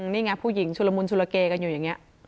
นี่ไงผู้หญิงชุลมุนชุลเกกันอยู่อย่างนี้